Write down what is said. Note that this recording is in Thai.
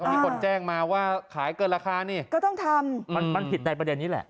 มีคนแจ้งมาว่าขายเกินราคานี่ก็ต้องทำมันมันผิดในประเด็นนี้แหละ